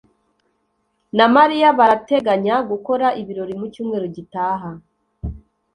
na Mariya barateganya gukora ibirori mu cyumweru gitaha.